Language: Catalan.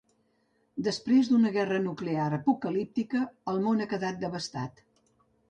Després d'una guerra nuclear apocalíptica, el món ha quedat devastat.